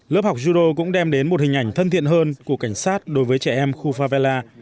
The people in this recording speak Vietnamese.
lớp học judo cũng đem đến một hình ảnh thân thiện hơn của cảnh sát đối với trẻ em khu favella